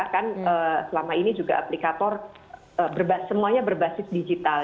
kan selama ini juga aplikator semuanya berbasis digital